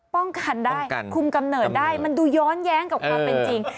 ป้องกันได้คุมกำเนิดได้มันดูย้อนแย้งกับความเป็นจริง